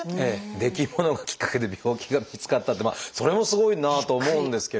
できものがきっかけで病気が見つかったってそれもすごいなと思うんですけれど。